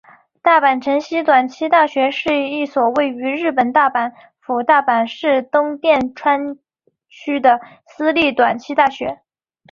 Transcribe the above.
大阪成蹊短期大学是一所位于日本大阪府大阪市东淀川区的私立短期大学。